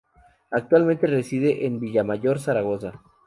Actualmente reside en Villamayor, Zaragoza.